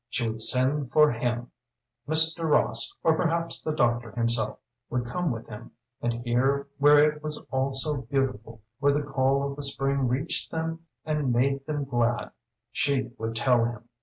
She would send for him! Mr. Ross or perhaps the doctor himself would come with him, and here where it was all so beautiful, where the call of the spring reached them and made them glad she would tell him!